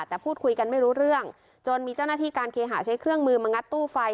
แต่พูดคุยกันไม่รู้เรื่องจนมีเจ้าหน้าที่การเคหาใช้เครื่องมือมางัดตู้ไฟ